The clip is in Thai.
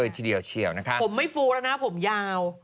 จริงเลยนะคะผมไม่ฟูแล้วนะผมยาว